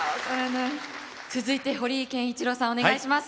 続いて堀井憲一郎さんお願いします。